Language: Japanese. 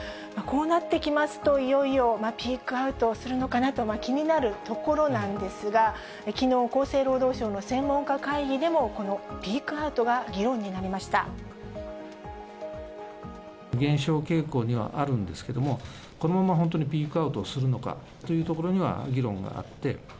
こうなってきますと、いよいよピークアウトするのかなと、気になるところなんですが、きのう、厚生労働省の専門家会議でも、このピークアウトが議論になりま減少傾向にはあるんですけれども、このまま本当にピークアウトするのかというところには議論があって。